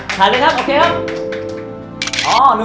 ขยับมาขอยับมา